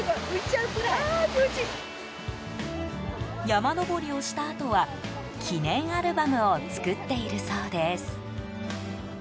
山登りをしたあとは記念アルバムを作っているそうです。